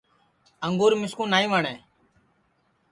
انگُور مِسکُو نائیں وٹؔیں